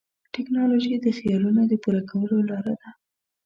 ټیکنالوژي د خیالونو د پوره کولو لاره ده.